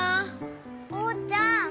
おうちゃん